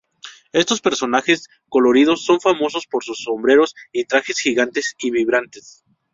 Estos personajes coloridos son famosos por sus sombreros y trajes gigantes y vibrantes.